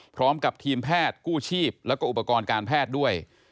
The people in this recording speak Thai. พร้อมกับทีมแพทย์กู้ชีพแล้วก็อุปกรณ์การแพทย์ด้วย